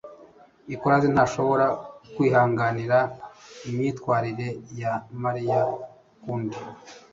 Ikoraze ntashobora kwihanganira imyitwarire ya Mariya ukundi.